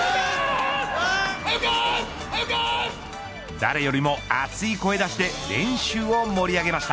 誰よりも熱い声出しで練習を盛り上げました。